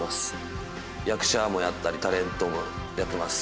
役者もやったりタレントもやってます。